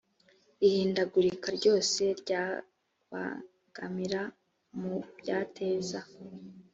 ihindagurika ryose ryabangamira mu byateza